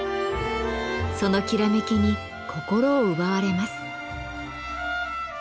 そのきらめきに心を奪われます。